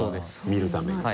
見るためには。